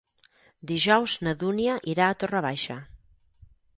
Dijous na Dúnia irà a Torre Baixa.